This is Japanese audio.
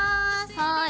はい。